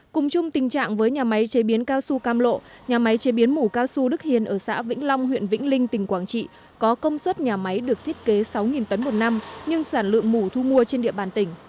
cùng chung tình trạng với nhà máy chế biến cao su cam lộ nhà máy chế biến mủ cao su đức hiền ở xã vĩnh long huyện vĩnh linh tỉnh quảng trị có công suất nhà máy được thiết kế sáu tấn một năm nhưng sản lượng mũ thu mua trên địa bàn tỉnh